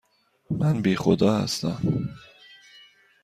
من بی خدا هستم.